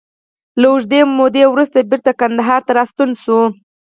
له اوږدې مودې وروسته بېرته کندهار ته راستون شو.